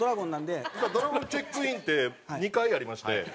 実はドラゴン・チェックインって２回ありまして。